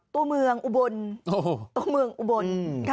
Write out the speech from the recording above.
ตัวเมืองอุบล